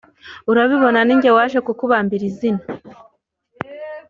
urabibona, ni jyewe waje kukubambira inzira.